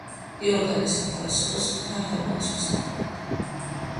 იორდანე სათავეს იღებს მთა ჰერმონის მისადგომებთან.